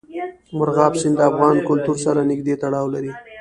مورغاب سیند د افغان کلتور سره نږدې تړاو لري.